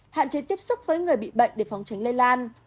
hạn chế tiếp xúc với người bị bệnh để phòng tránh lây lan